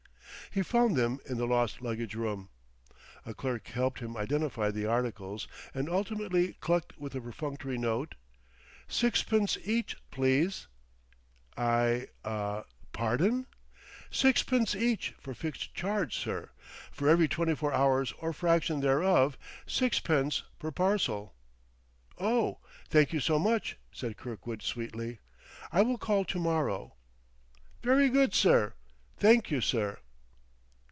He found them in the lost luggage room. A clerk helped him identify the articles and ultimately clucked with a perfunctory note: "Sixpence each, please." "I ah pardon?" "Sixpence each, the fixed charge, sir. For every twenty four hours or fraction thereof, sixpence per parcel." "Oh, thank you so much," said Kirkwood sweetly. "I will call to morrow." "Very good, sir. Thank you, sir."